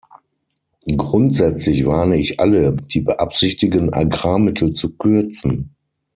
Grundsätzlich warne ich alle, die beabsichtigen, Agrarmittel zu kürzen.